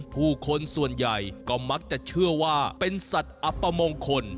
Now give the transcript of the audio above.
ผู้คนส่วนใหญ่ก็มักจะเชื่อว่าเป็นสัตว์อัปมงคล